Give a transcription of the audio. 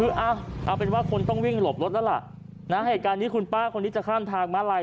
คือเอาเป็นว่าคนต้องวิ่งหลบรถแล้วล่ะนะเหตุการณ์นี้คุณป้าคนนี้จะข้ามทางมาลัย